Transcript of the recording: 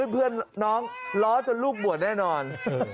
เพื่อนน้องล้อจนลูกบวชแน่นอน